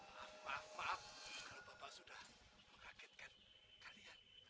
maaf maaf kelepapan sudah mengagetkan kalian